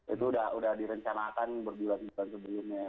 itu sudah direncanakan berbulan bulan sebelumnya